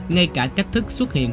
ngay cả cách thức xuất hiện